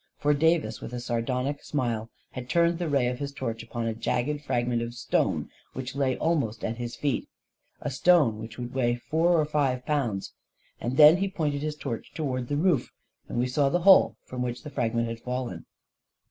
For Davis, with a sardonic smile, had turned the ray of his torch upon a jagged fragment of stone which lay almost at his feet — a stone which would weigh four or five pounds ; and then he pointed his torch toward the roof, and we saw the hole from which the frag ment had fallen.